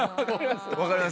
分かります？